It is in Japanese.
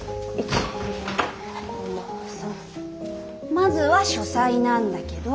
まずは書斎なんだけど。